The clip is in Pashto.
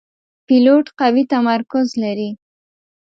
پیلوټ قوي تمرکز لري.